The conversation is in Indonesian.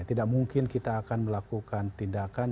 tidak mungkin kita akan melakukan tindakan